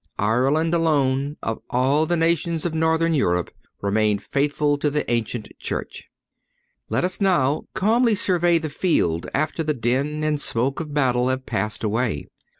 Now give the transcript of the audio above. Ireland alone, of all the nations of Northern Europe, remained faithful to the ancient Church. Let us now calmly survey the field after the din and smoke of battle have passed away.